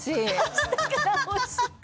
明日から欲しい。